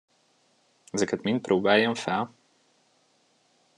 Ezeket mind próbáljam fel?